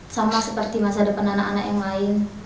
sama seperti masa depan anak anak yang lain